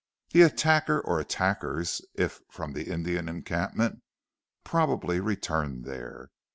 The attacker or attackers, if from the Indian encampment, probably returned there.